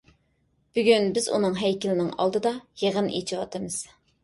بۈگۈن بىز ئۇنىڭ ھەيكىلىنىڭ ئالدىدا يىغىن ئېچىۋاتىمىز.